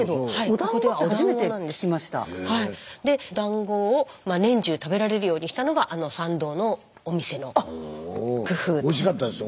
でだんごを年中食べられるようにしたのがあの参道のお店の工夫と。おいしかったですよ